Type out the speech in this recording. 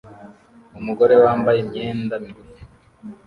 Umugore wambaye imyenda migufi